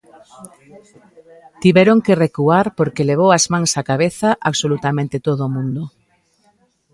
Tiveron que recuar porque levou as mans á cabeza absolutamente todo o mundo.